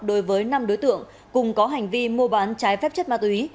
đối với năm đối tượng cùng có hành vi mua bán trái phép chất ma túy